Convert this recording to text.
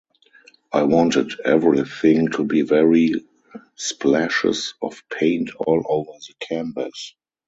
I wanted everything to be very splashes of paint all over the canvas.